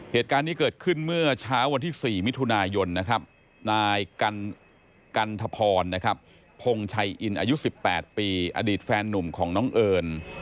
เหตุการณ์นี้เกิดขึ้นเมื่อเช้าวันที่๔มิถุนายนนะครับนายกันทพรนะครับพงชัยอินอายุ๑๘ปีอดีตแฟนนุ่มของน้องเอิญ